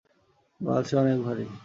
বাল, সে অনেক ভারী।